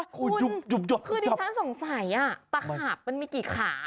คุณคือที่ฉันสงสัยอ่ะตักขาบมันมีกี่ขา